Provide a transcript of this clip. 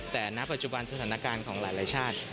แต่ณปัจจุบันสถานการณ์ของหลายชาติ